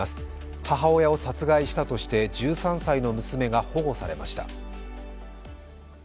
母親を殺害したとして１３歳の娘が保護されました。